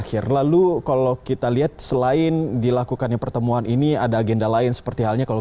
akhir lalu kalau kita lihat selain dilakukannya pertemuan ini ada agenda lain seperti halnya kalau